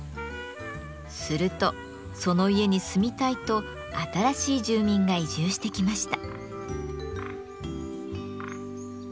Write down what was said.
するとその家に住みたいと新しい住民が移住してきました。